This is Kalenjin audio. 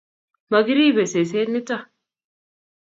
Makiribe seset nitok